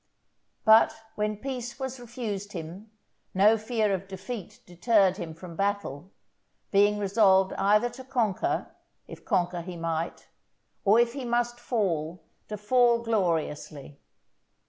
But, when peace was refused him, no fear of defeat deterred him from battle, being resolved either to conquer, if conquer he might, or if he must fall, to fall gloriously.